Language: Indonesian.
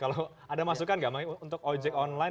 kalau ada masukan nggak untuk ojek online